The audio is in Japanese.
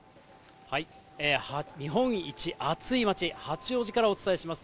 日本一暑い町、八王子からお伝えします。